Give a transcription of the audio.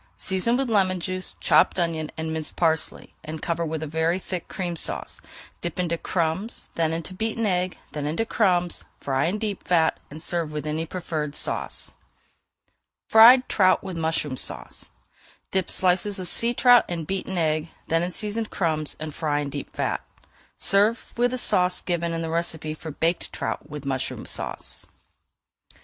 Season with lemon juice, chopped onion, and minced parsley, and cover with a very thick Cream Sauce. Dip into crumbs, then into beaten egg, then into crumbs, fry in deep fat, and serve with any preferred sauce. FRIED TROUT WITH MUSHROOM SAUCE Dip slices of sea trout in beaten egg, then [Page 415] in seasoned crumbs, and fry in deep fat. Serve with the sauce given in the recipe for Baked Trout with Mushroom Sauce.